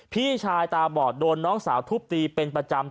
พี่ชายตาบอดโดนน้องสาวทุบตีเป็นประจำ